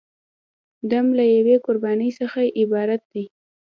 دم له یوې قربانۍ څخه عبارت دی.